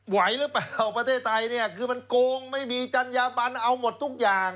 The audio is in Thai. ไหวหรือเปล่าประเทศไทยเนี่ยคือมันโกงไม่มีจัญญาบันเอาหมดทุกอย่าง